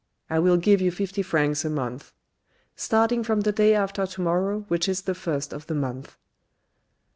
I will give you fifty francs a month. Starting from the day after to morrow which is the first of the month."